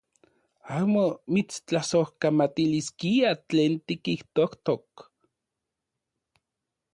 Amo mitstlasojkamatiliskia tlen tikijtojtok.